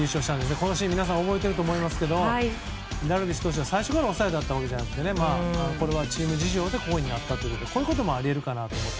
このシーンを皆さんは覚えていると思いますけどダルビッシュ投手は最初から抑えだったわけじゃなくてこれはチーム事情でこういうふうになったのでこういうこともあり得るかと。